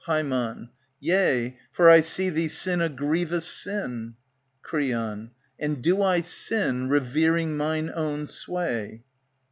Ham, Yea, for I see thee sin a grievous sin. Creon, And do I sin revering mine own sway